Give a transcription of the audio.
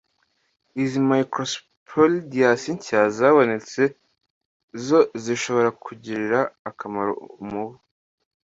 izi microsporidias nshya zabonetse zo zishobora kugirira akamaro umubu